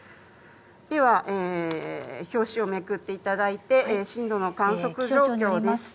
では、表紙をめくっていただいて、震度の観測状況です。